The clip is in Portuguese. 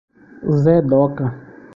zé Doca